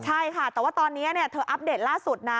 ใช่ค่ะแต่ว่าตอนนี้เธออัปเดตล่าสุดนะ